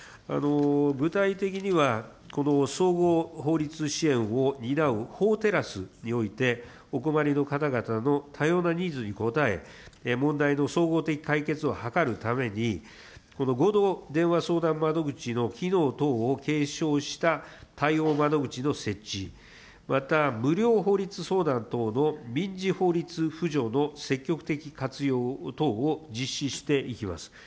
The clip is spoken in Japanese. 具体的には、総合法律支援を担う法テラスにおいて、お困りの方々の多様なニーズに応え、問題の総合的解決を図るために、この合同電話相談窓口の機能等を継承した対応窓口の設置、また無料法律相談等の民事法律扶助の積極的活用等を実施していきます。